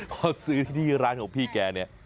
พอซื้อที่ร้านของพี่แกเนี่ย